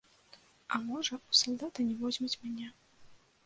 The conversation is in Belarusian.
А можа, у салдаты не возьмуць мяне.